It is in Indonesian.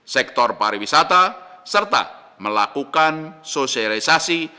sektor pariwisata serta melakukan sosialisasi